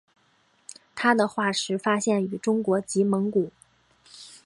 它的化石发现于中国及蒙古。